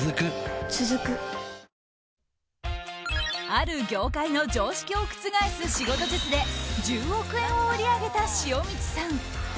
ある業界の常識を覆す仕事術で１０億円を売り上げた塩満さん。